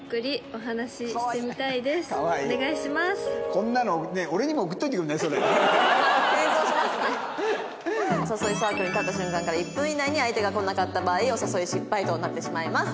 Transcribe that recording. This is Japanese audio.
お誘いサークルに立った瞬間から１分以内に相手が来なかった場合お誘い失敗となってしまいます。